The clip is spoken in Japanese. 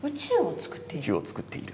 宇宙を作っている？